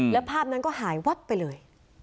แล้วภาพนั้นก็หายวับไปเลย